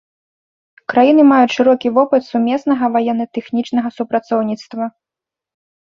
Краіны маюць шырокі вопыт сумеснага ваенна-тэхнічнага супрацоўніцтва.